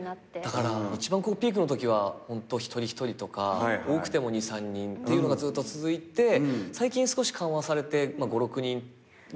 だから一番ピークのときはホント一人一人とか多くても２３人っていうのがずっと続いて最近少し緩和されて５６人ぐらいまでね。